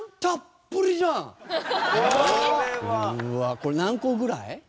これ何個ぐらい？